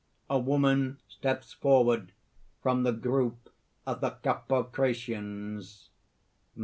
(_A woman steps forward from the group of the Carpocratians.